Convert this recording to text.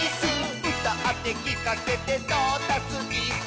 「うたってきかせてトータスイス！」